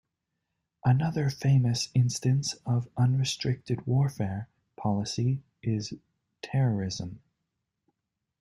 Another famous instance of "Unrestricted Warfare" policy is terrorism.